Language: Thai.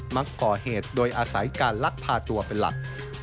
มักก่อเหตุโดยอาศัยการลักพาตัวเป็นหลัก